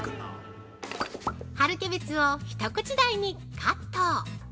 春キャベツを一口大にカット。